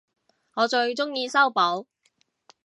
我最鍾意修補